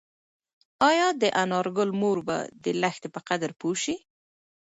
ایا د انارګل مور به د لښتې په قدر پوه شي؟